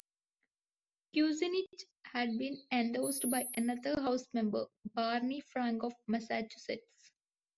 Kucinich had been endorsed by another House member, Barney Frank of Massachusetts.